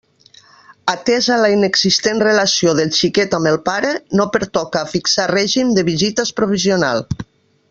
Atesa la inexistent relació del xiquet amb el pare, no pertoca a fixar règim de visites provisional.